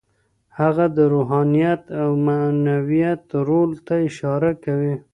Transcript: هغه د روحانيت او معنويت رول ته اشاره کوي.